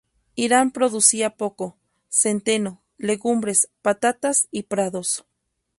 Iran producía poco: centeno, legumbres, patatas y prados.